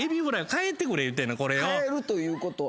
換えるということ。